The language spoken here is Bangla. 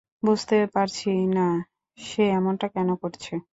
বুঝতে পারছি না, সে এমনটা কেন করছে?